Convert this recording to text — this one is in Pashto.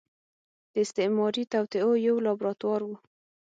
د استعماري توطيو يو لابراتوار و.